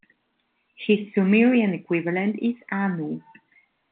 His Sumerian equivalent is Anu.